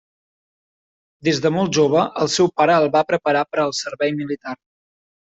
Des de molt jove el seu pare el va preparar per al servei militar.